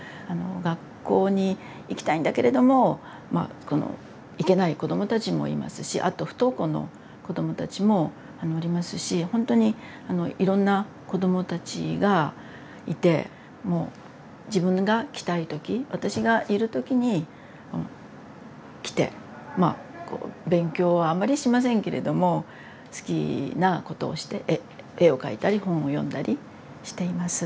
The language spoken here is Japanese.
学校に行きたいんだけれどもまあこの行けない子どもたちもいますしあと不登校の子どもたちもおりますしほんとにいろんな子どもたちがいてもう自分が来たい時私がいる時に来てまあ勉強はあまりしませんけれども好きなことをして絵を描いたり本を読んだりしています。